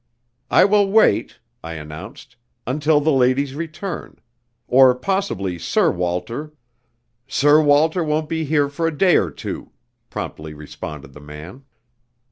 "I will wait," I announced, "until the ladies return. Or possibly Sir Walter " "Sir Walter won't be here for a day or two," promptly responded the man.